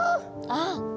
ああ。